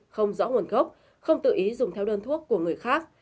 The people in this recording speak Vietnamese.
không rõ nguồn gốc không tự ý dùng theo đơn thuốc của người khác